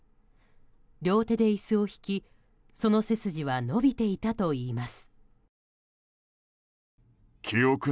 両手で椅子を引き、その背筋は伸びていたといいます。